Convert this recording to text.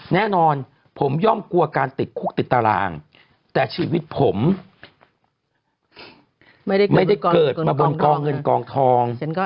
แน่นอนผมย่อมกลัวการติดคุกติดตารางแต่ชีวิตผมไม่ได้เกิดมาบนกองเงินกองทอง